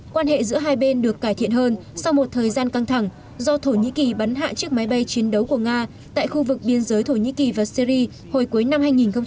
quan hệ giữa hai bên được cải thiện hơn sau một thời gian căng thẳng do thổ nhĩ kỳ bắn hạ chiếc máy bay chiến đấu của nga tại khu vực biên giới thổ nhĩ kỳ và syri hồi cuối năm hai nghìn một mươi tám